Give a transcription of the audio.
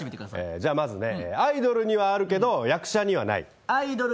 じゃあ、まずアイドルにはあるけど役者にはない。